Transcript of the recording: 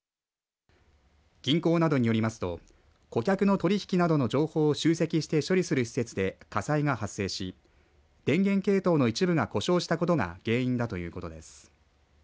銀行などによりますと顧客の取引などの情報を集積し処理する施設で火災が発生し電源系統の一部が故障したことが原因だということです。